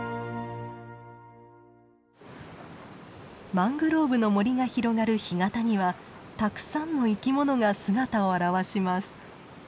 マングローブの森が広がる干潟にはたくさんの生き物が姿を現します。